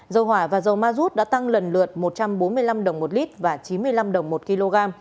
dầu hỏa và dầu ma rút đã tăng lần lượt một trăm bốn mươi năm đồng một lít và chín mươi năm đồng một kg